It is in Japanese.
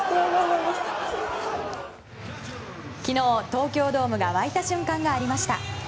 昨日、東京ドームが沸いた瞬間がありました。